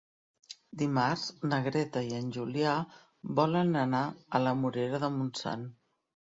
Dimarts na Greta i en Julià volen anar a la Morera de Montsant.